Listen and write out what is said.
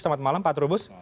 selamat malam pak trubus